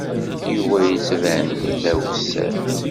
Yuba yettban-d d awessar.